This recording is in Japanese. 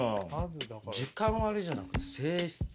時間割じゃなくて性質割。